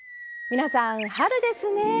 皆さん春ですね。